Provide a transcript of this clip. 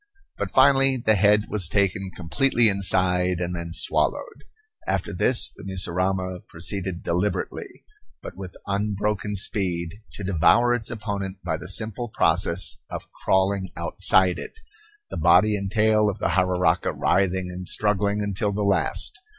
But finally the head was taken completely inside and then swallowed. After this, the mussurama proceeded deliberately, but with unbroken speed, to devour its opponent by the simple process of crawling outside it, the body and tail of the jararaca writhing and struggling until the last.